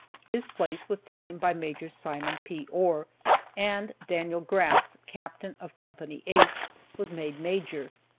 His place was taken by Major Simon P. Ohr, and Daniel Grass, Captain of Co. H, was made Major.